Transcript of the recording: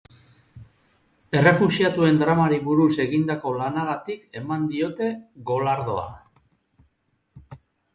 Errefuxiatuen dramari buruz egindako lanagatik eman diote golardoa.